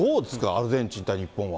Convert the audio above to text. アルゼンチン対日本は。